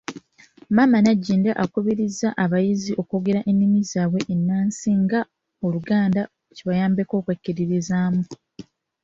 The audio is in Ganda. Maama Nagginda yakubiriza abayizi okwogera ennimi zaabwe ennansi nga; Oluganda kibayambe okwekkiririzaamu.